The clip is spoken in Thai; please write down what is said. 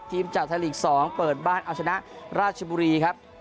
จากไทยลีก๒เปิดบ้านเอาชนะราชบุรีครับ